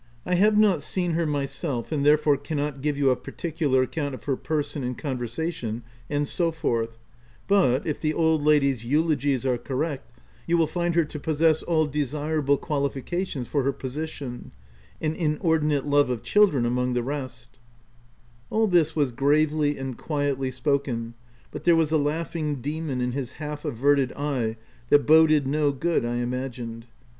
I have not seen her myself, and therefore can not give you a particular account of her person and conversation, and so forth ; but, if the old lady's eulogies are correct, you will find her to possess all desirable qualifications for her position — an inordinate love of children among the rest/' All this was gravely and quietly spoken, but there was a laughing demon in his half averted eye that boded no good I imagined.